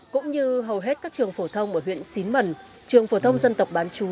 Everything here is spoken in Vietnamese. cũng như hầu hết các trường phổ thông ở huyện xín mần trường phổ thông dân tộc bán chú